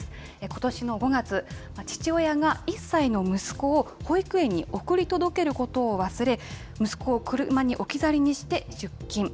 ことしの５月、父親が１歳の息子を保育園に送り届けることを忘れ、息子を車に置き去りにして、出勤。